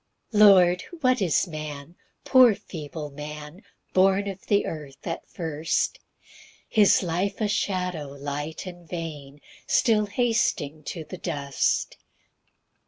1 Lord, what is man, poor feeble man, Born of the earth at first! His life a shadow, light and vain, Still hasting to the dust.